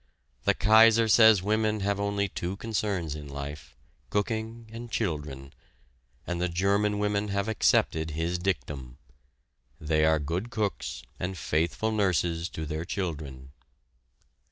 The Kaiser says women have only two concerns in life, cooking and children, and the German women have accepted his dictum. They are good cooks and faithful nurses to their children.